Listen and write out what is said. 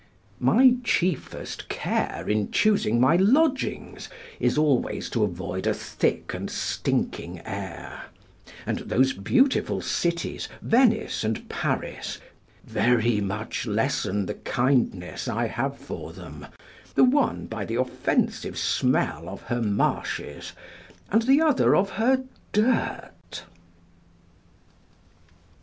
My chiefest care in choosing my lodgings is always to avoid a thick and stinking air; and those beautiful cities, Venice and Paris, very much lessen the kindness I have for them, the one by the offensive smell of her marshes, and the other of her dirt.